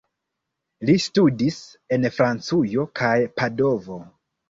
Li studis en Francujo kaj Padovo.